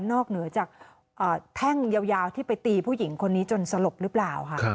เหนือจากแท่งยาวที่ไปตีผู้หญิงคนนี้จนสลบหรือเปล่าค่ะ